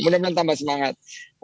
mudah mudahan tambah semangat